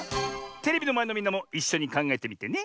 テレビのまえのみんなもいっしょにかんがえてみてね。